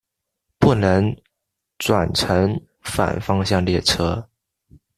不能转乘反方向列车。